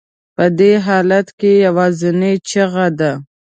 په دې حالت کې یوازینۍ چیغه ده.